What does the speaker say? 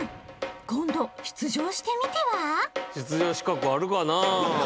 今度出場してみては？